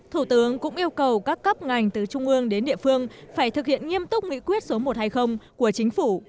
thủ tướng cũng yêu cầu các cấp ngành từ trung ương đến địa phương phải thực hiện nghiêm túc nghị quyết số một trăm hai mươi của chính phủ